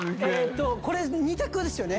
これ２択ですよね。